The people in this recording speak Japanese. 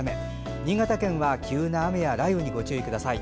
新潟県は急な雨や雷雨にご注意ください。